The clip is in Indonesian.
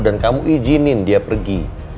dan kamu izinin dia pergi